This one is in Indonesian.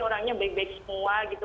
orangnya baik baik semua gitu